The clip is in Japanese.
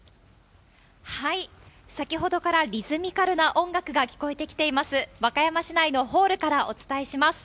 先ほどからリズミカルな音楽が聞こえてきています、和歌山市内のホールからお伝えします。